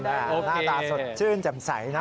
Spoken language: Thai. หน้าตาสดชื่นแจ่มใสนะ